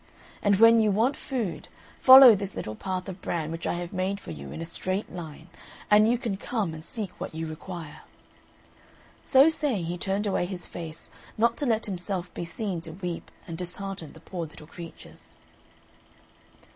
And when you want food, follow this little path of bran which I have made for you in a straight line, and you can come and seek what you require." So saying, he turned away his face, not to let himself be seen to weep and dishearten the poor little creatures.